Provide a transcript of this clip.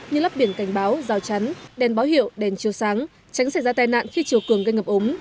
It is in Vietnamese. như lắp biển cảnh báo rào chắn đèn báo hiệu đèn chiều sáng tránh xảy ra tai nạn khi chiều cường gây ngập ống